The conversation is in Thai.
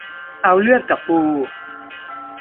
เอาเลือดกับปู